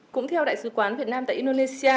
cũng theo đại sứ quán việt nam tại indonesia